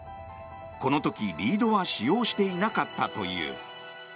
この時、リードは使用していなかったという。